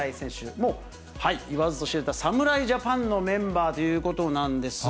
もういわずと知れた、侍ジャパンのメンバーということなんですが。